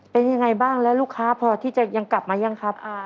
เป็นยังไงบ้างแล้วลูกค้าพอที่จะยังกลับมายังครับ